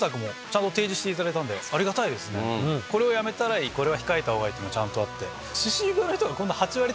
これをやめたらいいこれは控えた方がいいってあって。